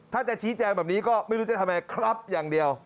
ถ้าจะชี้แจงแบบนี้ก็ไม่รู้จะทำยังไงครับอย่างเดียว